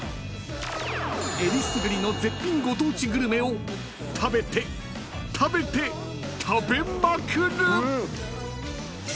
［えりすぐりの絶品ご当地グルメを食べて食べて食べまくる！］